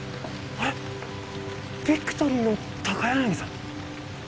あれビクトリーの高柳さん